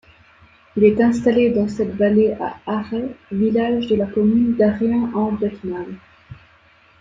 Il est installé dans cette vallée à Aret, village de la commune d'Arrien-en-Bethmale.